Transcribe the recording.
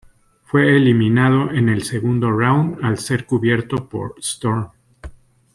Fue eliminado en el segundo round al ser cubierto por Storm.